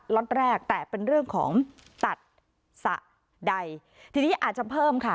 ล็อตแรกแต่เป็นเรื่องของตัดสระใดทีนี้อาจจะเพิ่มค่ะ